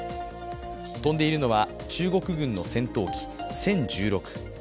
飛んでいるのは中国軍の戦闘機殲１６。